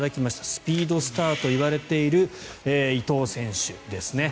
スピードスターといわれている伊東選手ですね。